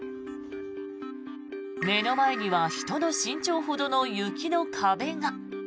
目の前には人の身長ほどの雪の壁が。